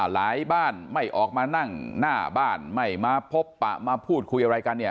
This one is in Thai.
บ้านไม่ออกมานั่งหน้าบ้านไม่มาพบปะมาพูดคุยอะไรกันเนี่ย